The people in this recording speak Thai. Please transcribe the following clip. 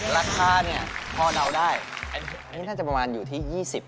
ราคาเนี่ยพอเดาได้อันนี้น่าจะประมาณอยู่ที่๒๐บาท